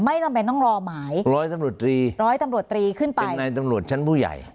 ไม่จำเป็นต้องรอหมาย๑๐๐ตำรวจตรีขึ้นไปอย่างในตำรวจชั้นผู้ใหญ่